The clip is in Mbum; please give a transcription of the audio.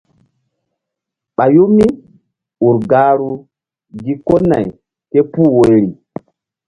Ɓayu míur gahru gi ko nay képuh woyri.